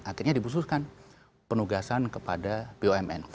akhirnya diputuskan penugasan kepada bumn